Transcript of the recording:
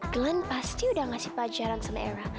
glenn pasti udah ngasih pajaran sama ewa